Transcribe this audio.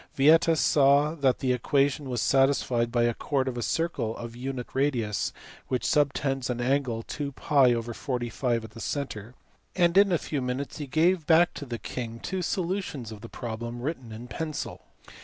Vieta saw that the equation was satisfied by the chord of a circle (of unit radius) which subtends an angle 2?r/45 at the centre, and in a few minutes he gave back to the king two solutions of the problem written in pencil.